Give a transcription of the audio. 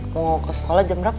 mau ke sekolah jam berapa